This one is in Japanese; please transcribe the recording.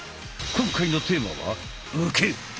今回のテーマは「受け」。